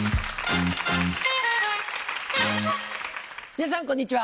皆さんこんにちは。